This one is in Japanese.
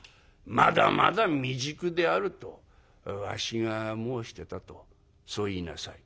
『まだまだ未熟である』とわしが申してたとそう言いなさい」。